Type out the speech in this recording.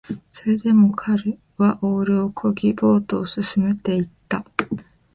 それでも彼はオールを漕ぎ、ボートを進めていった